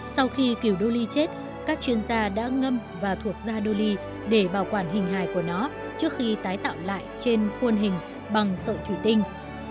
sau khi kiểu đô ly chết các chuyên gia đã ngâm và thuộc gia li để bảo quản hình hài của nó trước khi tái tạo lại trên khuôn hình bằng sợi thủy tinh